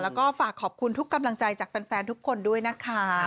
แล้วก็ฝากขอบคุณทุกกำลังใจจากแฟนทุกคนด้วยนะคะ